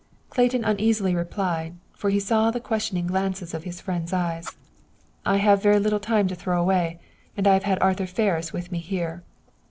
Clayton uneasily replied, for he saw the questioning glances of his friend's eyes, "I have very little time to throw away. And I have had Arthur Ferris with me here."